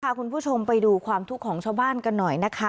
พาคุณผู้ชมไปดูความทุกข์ของชาวบ้านกันหน่อยนะคะ